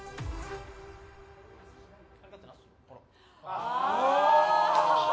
ああ！